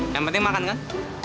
yang penting makan kan